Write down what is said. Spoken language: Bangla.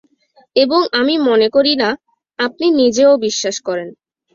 এবং আমি মনে করি না আপনি নিজেও বিশ্বাস করেন।